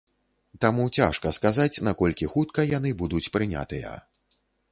Таму цяжка сказаць, наколькі хутка яны будуць прынятыя.